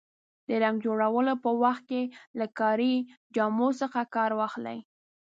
د رنګ جوړولو په وخت کې له کاري جامو څخه کار واخلئ.